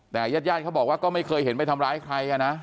แต่ญาติญาติเขาบอกว่าก็ไม่เคยเห็นไปทำร้ายใครนะ